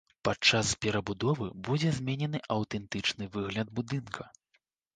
Падчас перабудовы будзе зменены аўтэнтычны выгляд будынка.